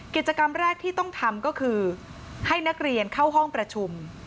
กิจกรรมแรกที่ต้องทำก็คือให้นักเรียนเข้าห้องประชุม